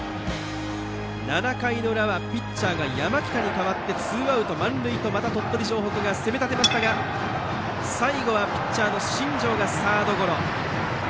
７回の裏はピッチャーが山北に代わってツーアウト満塁とまた鳥取城北が攻め立てましたが最後はピッチャーの新庄がサードゴロ。